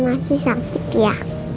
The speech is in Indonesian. oma masih sakit ya